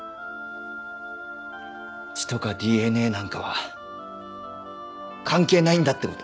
血とかＤＮＡなんかは関係ないんだって事。